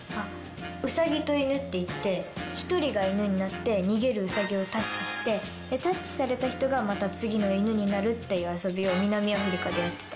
「ウサギと犬」っていって１人が犬になって逃げるウサギをタッチしてタッチされた人がまた次の犬になるっていう遊びを南アフリカでやってた。